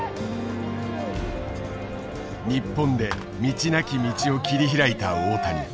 日本で道なき道を切り開いた大谷。